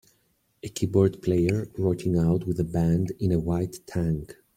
A keyboard player rocking out with a band in a white tank